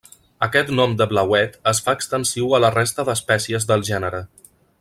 Aquest nom de blauet es fa extensiu a la resta d'espècies del gènere.